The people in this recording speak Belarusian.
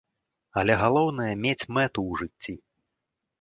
Але галоўнае мець мэту ў жыцці.